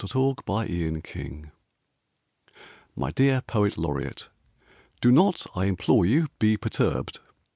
TO THE POET LAUREATE My dear Poet Laureate, Do not, I implore you, Be perturbed.